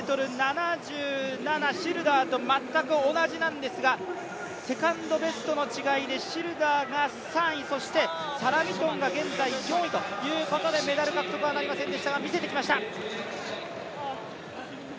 シルダーと全く同じなんですが、セカンドベストの違いでシルダーが３位、そしてサラ・ミトンが現在４位ということでメダル獲得はなりませんでしたが、見せてきました。